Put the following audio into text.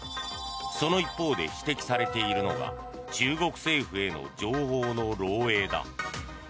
その一方で指摘されているのが中国政府への情報の漏えいだ。